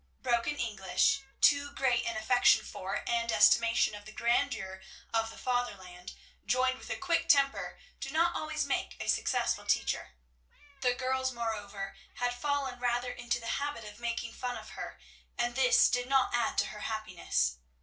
Broken English, too great an affection for, and estimation of the grandeur of, the Fatherland, joined with a quick temper, do not always make a successful teacher. The girls, moreover, had fallen rather into the habit of making fun of her, and this did not add to her happiness.